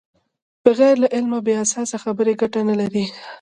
بغیر له علمه بې اساسه خبرې ګټه نلري.